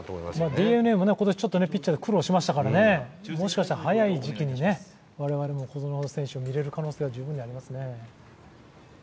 ＤｅＮＡも今年、ピッチャーに苦労しましたから、もしかしたら早い時期に我々も小園選手を見れる可能性は主にありますね。